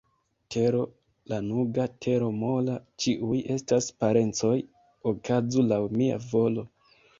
Tero lanuga, tero mola, ĉiuj estas parencoj, okazu laŭ mia volo!